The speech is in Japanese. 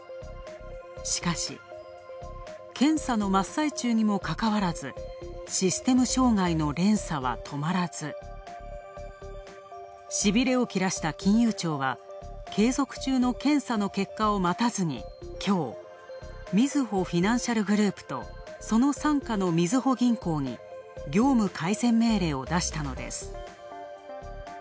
しかし、検査の真っ最中にもかかわらずシステム障害の連鎖は止まらず、しびれを切らした金融庁は継続中の検査の結果を待たずにきょう、みずほフィナンシャルグループとその傘下のみずほ銀行に業務改善命令を出したのです。